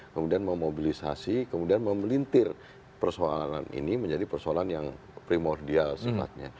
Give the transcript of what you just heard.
kemudian memobilisasi kemudian memelintir persoalan ini menjadi persoalan yang primordial sifatnya